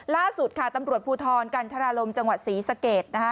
ล่าสุดค่ะตำรวจภูทรกันธรารมจังหวัดศรีสะเกดนะคะ